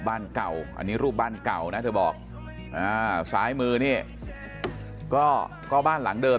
บ้านเก่าอันนี้รูปบ้านเก่านะเธอบอกอ่าซ้ายมือนี่ก็บ้านหลังเดิม